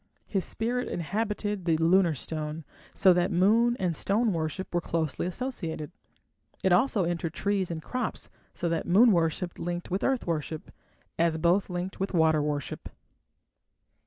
His spirit inhabited the lunar stone, so that moon and stone worship were closely associated; it also entered trees and crops, so that moon worship linked with earth worship, as both linked with water worship.